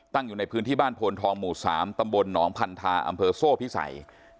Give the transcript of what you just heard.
อยู่ในพื้นที่บ้านโพนทองหมู่๓ตำบลหนองพันธาอำเภอโซ่พิสัย